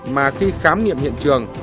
mà khi khám nghiệm hiện trường